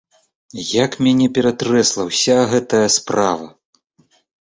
Як мяне ператрэсла ўся гэтая справа!